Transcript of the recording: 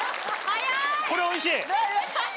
これおいしい？